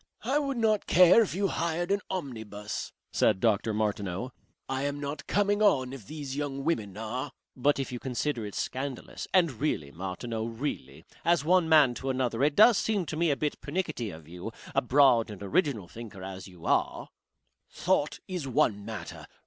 I would not care if you hired an omnibus, said Dr. Martineau. "I am not coming on if these young women are." "But if you consider it scandalous and really, Martineau, really! as one man to another, it does seem to me to be a bit pernickety of you, a broad and original thinker as you are " "Thought is one matter.